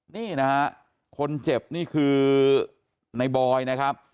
นี่นะฮะคนเจ็บนี่คือในบอยนะครับ